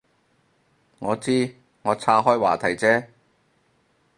我知，我岔开话题啫